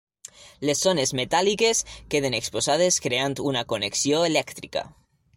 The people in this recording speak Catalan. Les zones metàl·liques queden exposades creant una connexió elèctrica.